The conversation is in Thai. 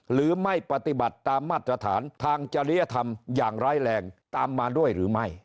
หรือไม่ปฏิบัติตามมาตรฐานทางจริยธรรมอย่างร้ายแรงตามมาด้วยหรือไม่